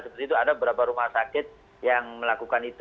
seperti itu ada beberapa rumah sakit yang melakukan itu